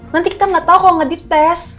nanti kita gak tau kalo gak dites